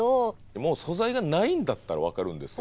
もう素材がないんだったら分かるんですけど。